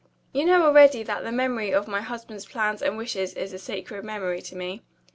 You know already that the memory of my husband's plans and wishes is a sacred memory to me.